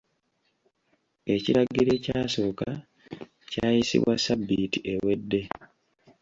Ekiragiro ekyasooka kyayisibwa ssabbiiti ewedde.